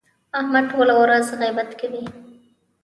احمد ټوله ورځ غیبت کوي.